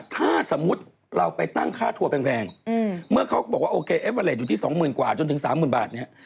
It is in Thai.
ถ้าสมมุติเราไปตั้งค่าทัวร์แพงเมื่อเขาก็บอกว่าโอเคเอฟเวอร์เลสอยู่ที่๒๐๐๐กว่าจนถึง๓๐๐๐บาทเนี่ย